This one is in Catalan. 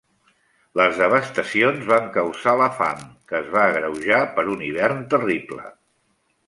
Les devastacions van causar la fam, que es va agreujar per un hivern terrible.